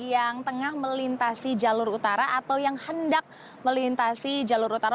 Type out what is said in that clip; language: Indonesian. yang tengah melintasi jalur utara atau yang hendak melintasi jalur utara